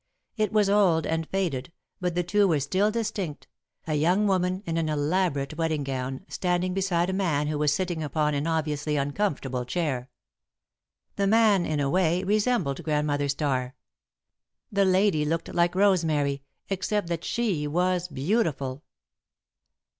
It was old and faded, but the two were still distinct a young woman in an elaborate wedding gown, standing beside a man who was sitting upon an obviously uncomfortable chair. The man, in a way, resembled Grandmother Starr; the lady looked like Rosemary, except that she was beautiful.